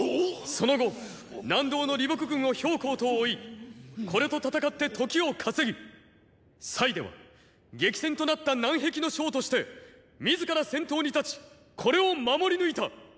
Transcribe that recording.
その後南道の李牧軍を公と追いこれと戦って刻を稼ぎでは激戦となった南壁の将として自ら先頭に立ちこれを守り抜いた！